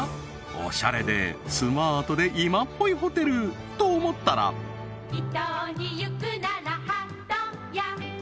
オシャレでスマートで今っぽいホテル！と思ったら伊東にゆくならハトヤ